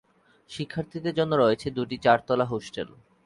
শিক্ষার্থীদের জন্য রয়েছে দুটি চারতলা হোস্টেল।